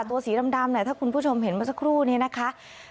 สีดำถ้าคุณผู้ชมเห็นเมื่อสักครู่นี้นะคะ